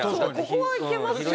ここはいけますよ。